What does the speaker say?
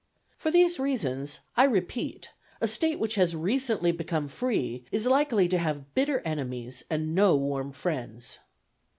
For these reasons, I repeat, a State which has recently become free, is likely to have bitter enemies and no warm friends.